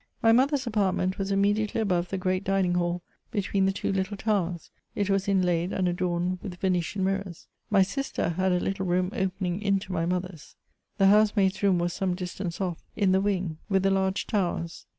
My mother* s apartment was immediately above the great dining haU, between the two little towers : it was inlaid and adorned with Venetian mirrors. My sister had a little room opening into my mother's. The house maid's room was some (Ustance off, in the wing with the large towers.